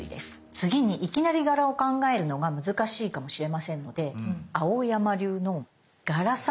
次にいきなり柄を考えるのが難しいかもしれませんので蒼山流の柄サンプルを紹介します。